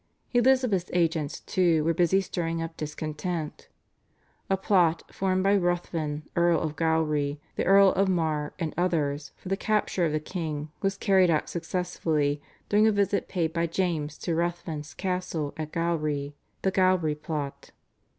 Elizabeth's agents, too, were busy stirring up discontent. A plot formed by Ruthven Earl of Gowrie, the Earl of Mar, and others, for the capture of the king, was carried out successfully during a visit paid by James to Ruthven's castle at Gowrie (The Gowrie Plot).